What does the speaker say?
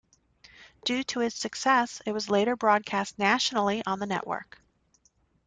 Due to its success, it was later broadcast nationally on the network.